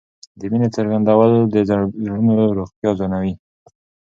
د مینې څرګندول د زړونو روغتیا زیاتوي.